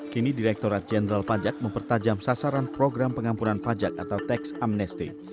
kini direkturat jenderal pajak mempertajam sasaran program pengampunan pajak atau tax amnesty